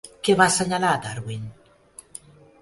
Què va assenyalar Darwin?